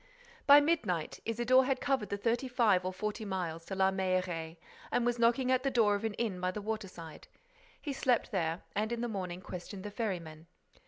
By midnight, Isidore had covered the thirty five or forty miles to La Mailleraie and was knocking at the door of an inn by the waterside. He slept there and, in the morning, questioned the ferrymen.